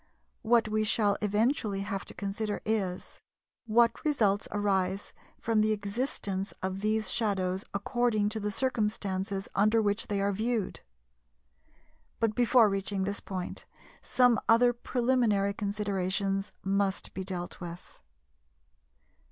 What we shall eventually have to consider is: What results arise from the existence of these shadows according to the circumstances under which they are viewed? But before reaching this point, some other preliminary considerations must be dealt with.